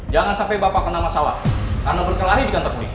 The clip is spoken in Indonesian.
jangan sampai bapak kena masalah karena berkelari di kantor polisi